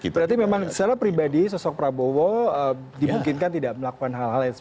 berarti memang secara pribadi sosok prabowo dimungkinkan tidak melakukan hal hal yang